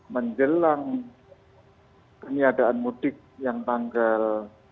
menjelang peniadaan mudik yang tanggal enam tujuh belas